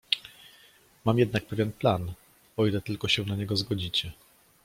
"Mam jednak pewien plan, o ile tylko się na niego zgodzicie."